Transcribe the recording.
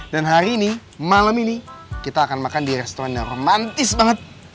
hari ini malam ini kita akan makan di restoran yang romantis banget